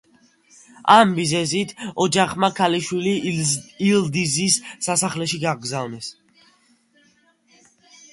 ამ მიზეზით, ოჯახმა ქალიშვილი ილდიზის სასახლეში გაგზავნეს.